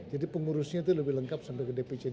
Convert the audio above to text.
jadi pengurusnya itu lebih lengkap sampai ke dpc dpc pac semua